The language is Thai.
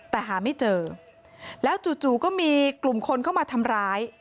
แต่หาไม่เจอแล้วจู่ก็มีกลุ่มคนเข้ามาทำร้าย